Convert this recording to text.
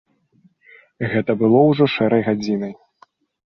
Гэта было ўжо шэрай гадзінай.